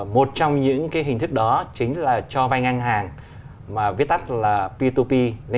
một trong những hình thức đó chính là cho vay ngang hàng mà viết tắt là p hai p